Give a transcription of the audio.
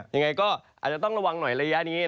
ยังไงก็อาจจะต้องระวังหน่อยระยะนี้